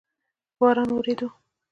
باران اوورېدو؟